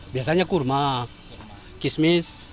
biasanya kurma kismis